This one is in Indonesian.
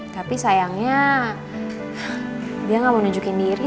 tapi sayangnya dia gak mau nunjukin diri